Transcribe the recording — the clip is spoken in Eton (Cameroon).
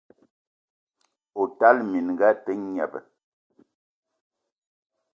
O tala minga a te gneb!